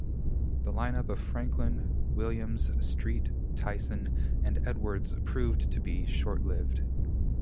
The lineup of Franklin, Williams, Street, Tyson, and Edwards proved to be short-lived.